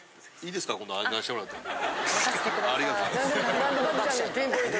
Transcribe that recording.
ありがとうございます。